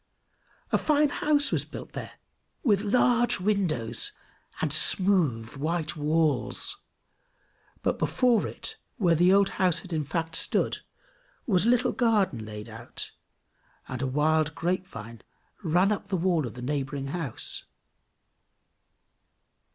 A fine house was built there, with large windows, and smooth white walls; but before it, where the old house had in fact stood, was a little garden laid out, and a wild grapevine ran up the wall of the neighboring house.